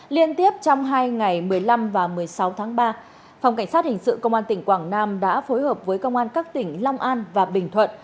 liên tiếp trong hai ngày một mươi năm và một mươi sáu tháng ba phòng cảnh sát hình sự công an tỉnh quảng nam đã phối hợp với công an các tỉnh long an và bình thuận